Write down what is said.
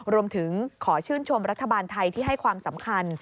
รวมถึงขอชื่นชมรัฐบาลไทยที่ให้ความสำคัญ